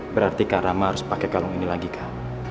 berarti karama harus pakai kalung ini lagi kak